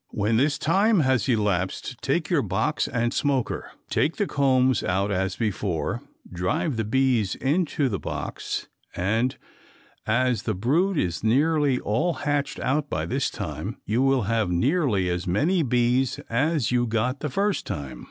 When this time has elapsed, take your box and smoker. Take the combs out as before; drive the bees into the box, and as the brood is nearly all hatched out by this time you will have nearly as many bees as you got the first time.